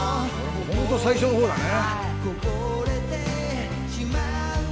ホント最初の方だね。